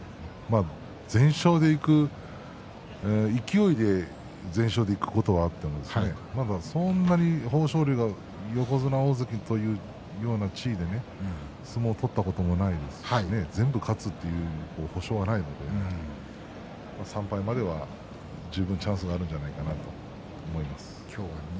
勢いで全勝でいくことはあっても豊昇龍は、そんなに横綱、大関というような地位で相撲を取ったこともないですし全部勝つという保証はないのでね３敗までは十分チャンスがあるんじゃないかなと思います。